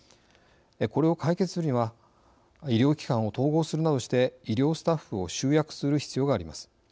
これを解決するには医療機関を統合するなどして医療スタッフを集約する必要があります。